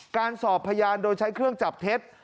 สอบพยานโดยใช้เครื่องจับเท็จ